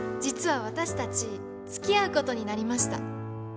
実は私たちつきあうことになりました。